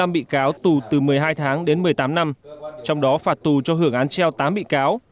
năm bị cáo tù từ một mươi hai tháng đến một mươi tám năm trong đó phạt tù cho hưởng án treo tám bị cáo